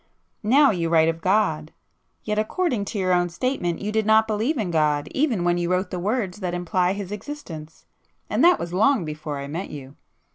Now you write of God,—yet according to your own statement, you did not believe in God even when you wrote the words that imply His existence,—and that was long before I met you.